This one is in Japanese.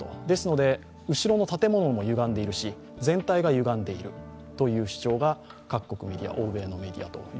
ですので、後ろの建物もゆがんでいるし、全体がゆがんでいるという主張が各国のメディア、欧米メディアと。